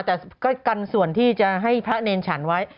แต่ก็กันส่วนที่จะให้พระเนรฉันไว้